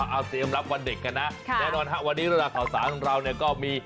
เอาเตรียมรับวันเด็กกันนะแน่นอนวันนี้เวลาขอสารของเราก็มี